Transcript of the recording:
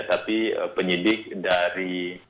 tapi penyidik dari